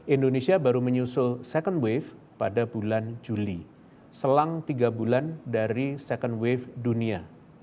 indonesia baru menyusul second wave pada bulan juli selang tiga bulan dari second wave dunia